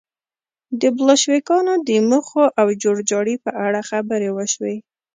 د بلشویکانو د موخو او جوړجاړي په اړه خبرې وشوې